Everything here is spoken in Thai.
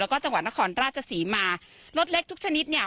แล้วก็จังหวัดนครราชศรีมารถเล็กทุกชนิดเนี่ย